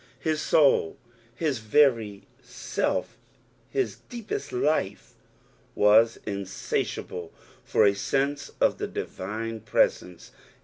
His amil, his very self, bis deepest life, was insatiahle for a sense of the divine preKnce.